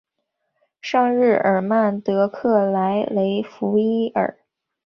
圣日尔曼德克莱雷弗伊尔。